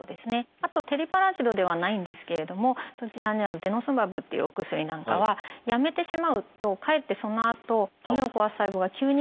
あとテリパラチドではないんですけれどもそちらにある「デノスマブ」っていうお薬なんかはやめてしまうとかえってそのあと骨を壊す細胞が急に元気になって。